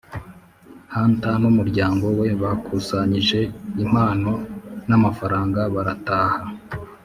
hunter n'umuryango we bakusanyije impano n'amafaranga barataha.